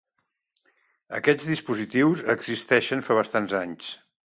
Aquests dispositius existeixen fa bastants anys.